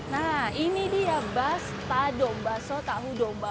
nah ini dia bastado baso tahu domba